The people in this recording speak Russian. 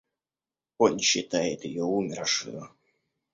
Он считает ее умершею.